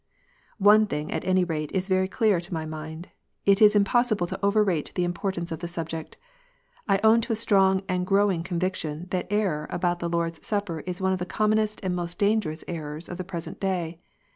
One thing, at any rate, is very clear to my mind : it is im possible to overrate the importance of the subject. I own to a strong and growing conviction that error about the Lord s Supper is one of the commonest and most dangerous errors of the present day.